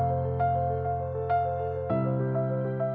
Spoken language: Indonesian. pertama kali mencari pendidikan di bank indonesia